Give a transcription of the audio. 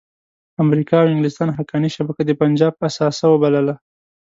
امریکا او انګلستان حقاني شبکه د پنجاب اثاثه وبلله.